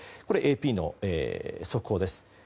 ＡＰの速報です。